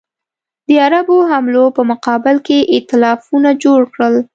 د عربو حملو په مقابل کې ایتلافونه جوړ کړل.